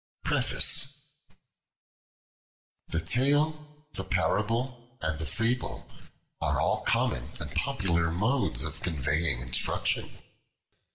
PREFACE THE TALE, the Parable, and the Fable are all common and popular modes of conveying instruction.